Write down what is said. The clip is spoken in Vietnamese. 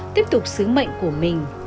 tiếp tục sứ mệnh của mình